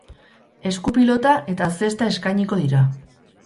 Esku pilota eta zesta eskainiko dira.